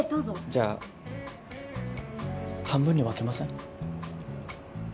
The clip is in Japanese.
じゃあ半分に分けません？